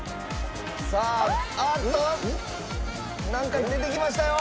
さあああっとなんか出てきましたよ。